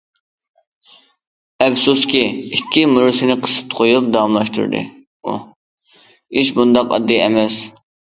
ئەپسۇسكى،- ئىككى مۈرىسىنى قىسىپ قويۇپ داۋاملاشتۇردى ئۇ،- ئىش بۇنداق ئاددىي ئەمەس.